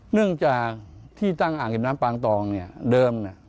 เนื่องจากที่ตั้งอ่างเก็บน้ำปางตองเนี่ยเดิม